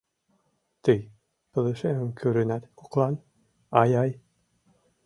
Тый пылышемым кӱрынат коклан, ай-ай!